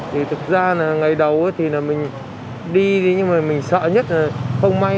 thì thực ra là ngày đầu thì là mình đi nhưng mà mình sợ nhất là không may